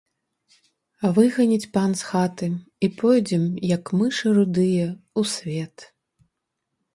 Выганіць пан з хаты, і пойдзем, як мышы рудыя, у свет.